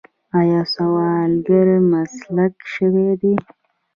آیا سوالګري مسلک شوی دی؟